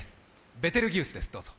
「ベテルギウス」です、どうぞ。